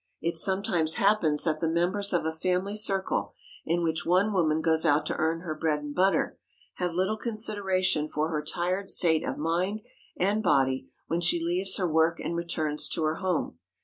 It sometimes happens that the members of a family circle, in which one woman goes out to earn her bread and butter, have little consideration for her tired state of mind and body when she leaves her work and returns to her home.